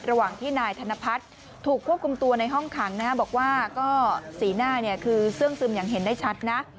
ระหว่างที่นายธนพัฒน์ถูกควบคุมตัวในห้องขังสีหน้าเนี่ยคือเสื่อมซึมอย่างเห็นได้ชัด